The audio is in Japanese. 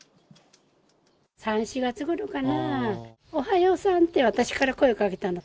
３、４月ごろかな、おはようさんって、私から声をかけたの。